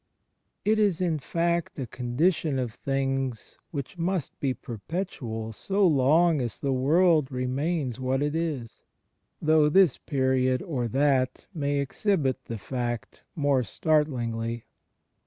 It is, in fact, a con dition of things which must be perpetual so long as the world remains what it is; though this period or that may exhibit the fact more startlingly.